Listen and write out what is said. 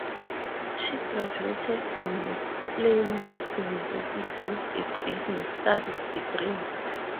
She graduated from Plymouth University with a Business Studies degree.